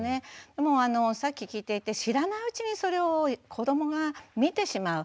でもさっき聞いていて知らないうちにそれを子どもが見てしまう。